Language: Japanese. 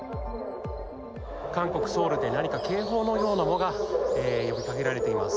韓国・ソウルで何か警報のようなものが呼びかけられています。